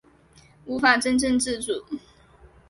无法真正自主